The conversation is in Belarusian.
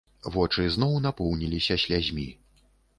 Вочы зноў напоўніліся слязьмі.